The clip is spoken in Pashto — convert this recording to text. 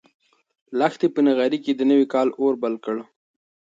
لښتې په نغري کې د نوي کال اور بل کړ.